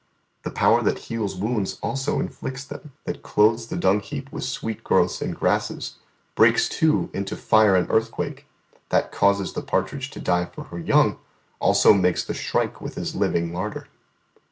"The power that heals wounds also inflicts them: that clothes the dungheap with sweet growths and grasses, breaks, too, into fire and earthquake; that causes the partridge to die for her young, also makes the shrike with his living larder."